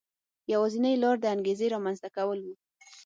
یوازینۍ لار د انګېزې رامنځته کول و.